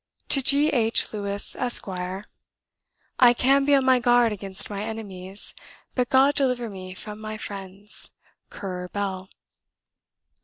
To G. H. LEWES, ESQ. "I can be on my guard against my enemies, but God deliver me from my friends! CURRER BELL."